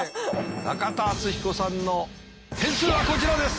中田敦彦さんの点数はこちらです。